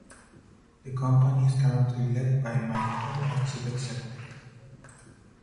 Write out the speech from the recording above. The company is currently led by Mike Hall as Chief Executive.